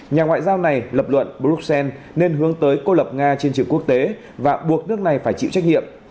nhà ngoại giao này lập luận bruxelles nên hướng tới cô lập nga trên trường quốc tế và buộc nước này phải chịu trách nhiệm